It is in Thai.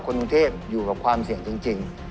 คนกรุงเทพอยู่กับความเสี่ยงจริง